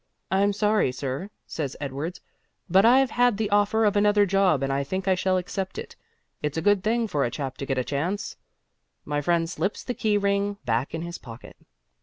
"I'm sorry, sir," says Edwards, "but I've had the offer of another job and I think I shall accept it. It's a good thing for a chap to get a chance " My friend slips the key ring back in his pocket.